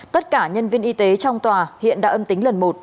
tất cả nhân viên y tế trong tòa hiện đã âm tính lần một